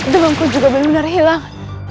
demamku juga benar benar hilang